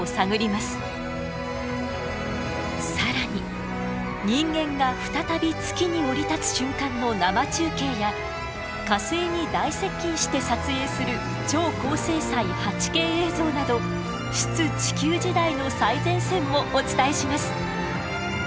更に人間が再び月に降り立つ瞬間の生中継や火星に大接近して撮影する超高精細８Ｋ映像など出・地球時代の最前線もお伝えします。